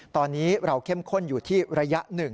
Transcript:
ตอนนี้เราเข้มข้นอยู่ที่ระยะ๑